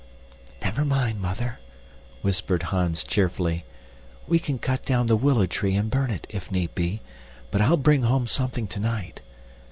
"Never mind, Mother," whispered Hans cheerfully. "We can cut down the willow tree and burn it, if need be, but I'll bring home something tonight.